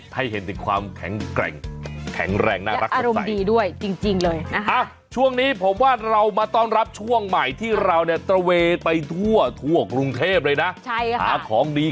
ให้เห็นถึงความแข็งแรงแข็งแรงน่ารักก็ใส